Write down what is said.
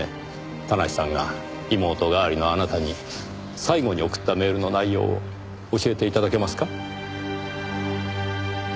田無さんが妹代わりのあなたに最後に送ったメールの内容を教えて頂けますか？